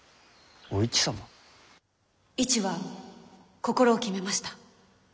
市は心を決めました。